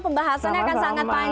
pembahasannya akan sangat panjang